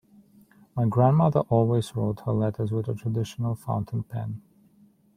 My grandmother always wrote her letters with a traditional fountain pen.